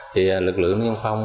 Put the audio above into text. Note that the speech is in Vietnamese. thì lực lượng thanh niên xung phong